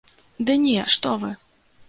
Ды не, што вы!